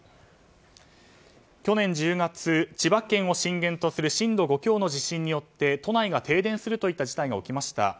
去年１０月、千葉県を震源とする震度５強の地震によって都内が停電するといった事態が起きました。